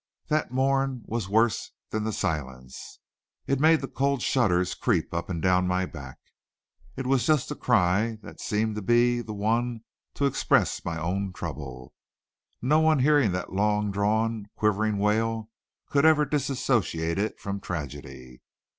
That mourn was worse than the silence. It made the cold shudders creep up and down my back. It was just the cry that seemed to be the one to express my own trouble. No one hearing that long drawn, quivering wail could ever disassociate it from tragedy.